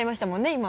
今。